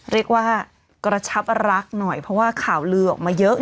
เรียกว่ากระชับรักหน่อยเพราะว่าข่าวลือออกมาเยอะ